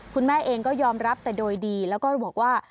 คุณแม่เองก็ยอมรับแต่โดยดีแล้วก็บอกว่า